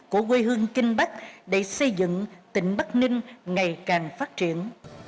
của quê hương kinh bắc để xây dựng tỉnh bắc ninh ngày càng phát triển